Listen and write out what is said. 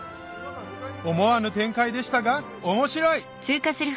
思わぬ展開でしたが面白い！